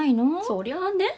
そりゃね。